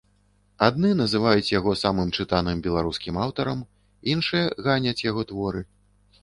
Адны называюць яго самым чытаным беларускім аўтарам, іншыя ганяць яго творы.